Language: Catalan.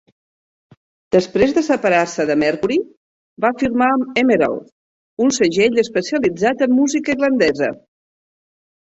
Després de separar-se de Mercury, va firmar amb "Emerald", un segell especialitzat en música irlandesa.